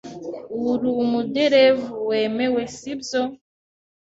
Uri umuderevu wemewe, sibyo?